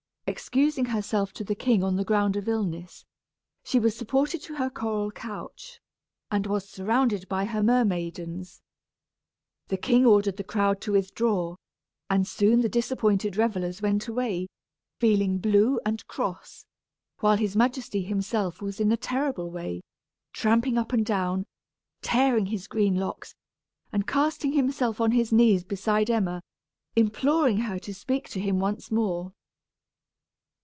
Excusing herself to the king on the ground of illness, she was supported to her coral couch, and was surrounded by her mermaidens. The king ordered the crowd to withdraw, and soon the disappointed revellers went away, feeling blue and cross, while his majesty himself was in a terrible way, tramping up and down, tearing his green locks, and casting himself on his knees beside Emma, imploring her to speak to him once more.